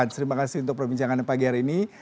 terima kasih untuk perbincangan pak geyar ini